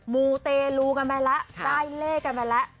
มูเตลูกันไปแล้วได้เลขกันไปแล้ว